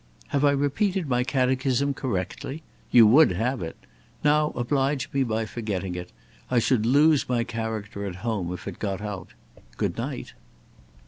have I repeated my catechism correctly? You would have it! Now oblige me by forgetting it. I should lose my character at home if it got out. Good night!"